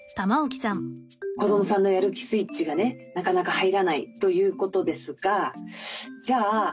子どもさんのやる気スイッチがねなかなか入らないということですがじゃあ